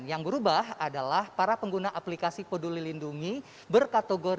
yang berubah adalah para pengguna aplikasi peduli lindungi berkategori